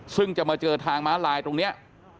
ซึ่งจะมาเจอทางม้าลายตรงนี้